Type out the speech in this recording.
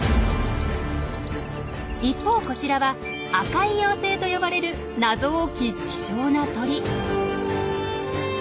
一方こちらは「紅い妖精」と呼ばれる謎多き希少な鳥。